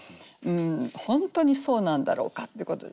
「本当にそうなんだろうか？」ってことですね。